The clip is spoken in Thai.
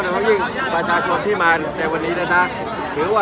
แล้วก็ยิ่งประจาชมนี่มาแต่วันนี้นะ